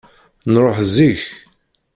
Nṛuḥ zik.